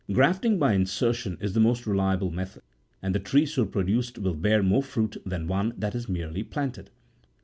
Grafting by insertion is the most reliable method, and the tree so produced will bear more fruit than one that is merely planted.